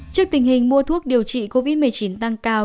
trước tình hình mua thuốc điều trị covid một mươi chín tăng cao